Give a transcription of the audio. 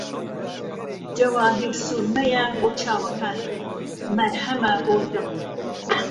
جەواهیرسورمەیە بۆ چاوەکانم، مەرهەمە بۆ دڵ